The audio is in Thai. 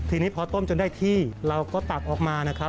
ทีนี้พอต้มจนได้ที่เราก็ตักออกมานะครับ